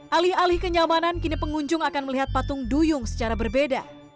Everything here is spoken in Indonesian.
alih alih kenyamanan kini pengunjung akan melihat patung duyung secara berbeda